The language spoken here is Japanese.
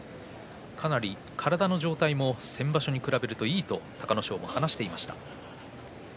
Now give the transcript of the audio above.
体の状態も先場所に比べていいと隆の勝も話していました。